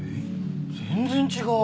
全然違う！